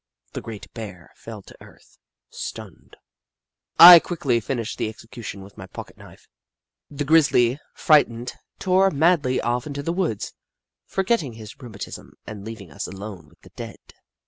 The great Bear fell to earth, stunned. I quickly finished the execution with my pocket knife. The grizzly, frightened, tore madly off into the woods, forgetting his rheu matism, and leaving us alone with the dead.